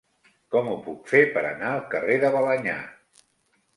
Com ho puc fer per anar al carrer de Balenyà?